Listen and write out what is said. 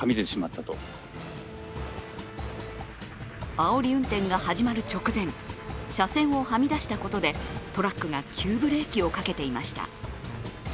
あおり運転が始まる直前、車線をはみ出したことでトラックが急ブレーキをかけていました。